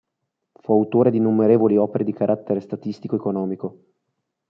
Fu autore di innumerevoli opere di carattere statistico-economico.